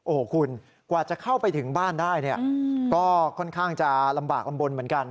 โอ้โหคุณกว่าจะเข้าไปถึงบ้านได้เนี่ยก็ค่อนข้างจะลำบากลำบลเหมือนกัน